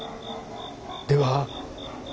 では。